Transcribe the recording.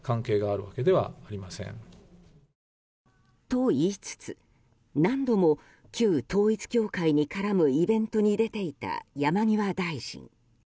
と言いつつ何度も旧統一教会に絡むイベントに出ていた山際大臣。